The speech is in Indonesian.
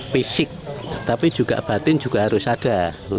fisik tapi juga batin juga harus ada